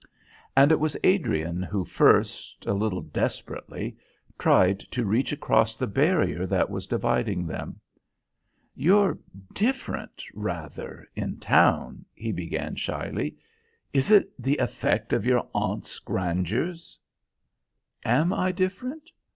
And it was Adrian who first, a little desperately, tried to reach across the barrier that was dividing them. "You're different, rather, in town," he began shyly. "Is it the effect of your aunt's grandeurs?" "Am I different?